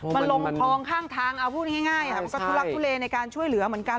มันลงคลองข้างทางเอาพูดง่ายมันก็ทุลักทุเลในการช่วยเหลือเหมือนกัน